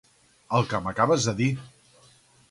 El que m'acabes de dir.